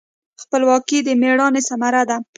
خپلواکي د میړانې ثمره ده.